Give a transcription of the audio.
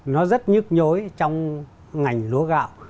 nó rất nhức nhối trong ngành lúa gạo